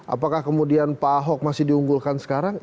apakah kemudian pak ahok masih diunggulkan sekarang